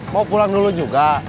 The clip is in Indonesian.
mau pulang dulu juga